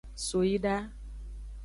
So yi da.